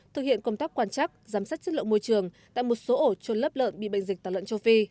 thực hiện công tác quan chắc giám sát chất lượng môi trường tại một số ổ trôn lấp lợn bị bệnh dịch tả lợn châu phi